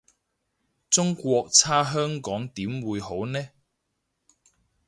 中國差香港點會好呢？